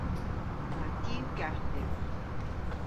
Yma diw gath dhywgh.